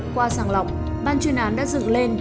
qua sàng lọc ban chuyên án đã dựng lên